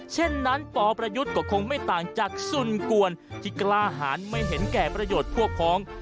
เช่นนั้นปประยุทธ์ก็คงไม่ต่างจากส่วนกวนที่กล้าหารไม่เห็นแก่ประโยชน์พวกพ้อง